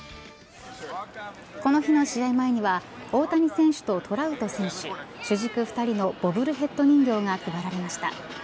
この日の試合前には大谷選手とトラウト選手主軸２人のボブルヘッド人形が配られました。